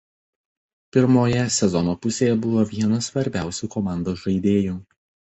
Pirmoje sezono pusėje buvo vienas svarbiausių komandos žaidėjų.